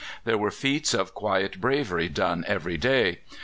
There were feats of quiet bravery done every day.